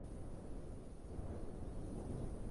Hay cuatro pozos conocidos.